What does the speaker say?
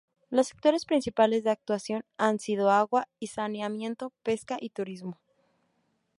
Los sectores principales de actuación han sido agua y saneamiento, pesca y turismo.